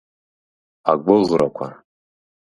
Агәыӷрақәа…